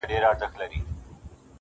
د يوسفي حُسن شروع ته سرگردانه وو.